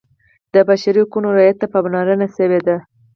د بشري حقونو رعایت ته پاملرنه شوې ده.